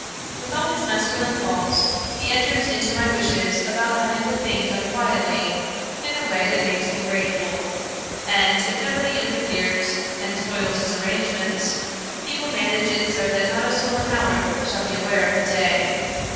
With all his masculine faults, he enters into my wishes about having the thing done quietly, in a way that makes me grateful; and if nobody interferes and spoils his arrangements, he will manage it so that not a soul in Haworth shall be aware of the day.